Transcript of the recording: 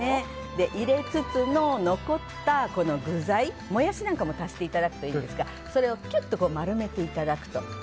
入れつつ、残った具材モヤシなんかも足していただくといいんですがそれをキュッと丸めていただくと。